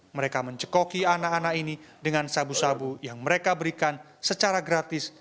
mereka mencekoki anak anak ini dengan sabu sabu yang mereka berikan secara gratis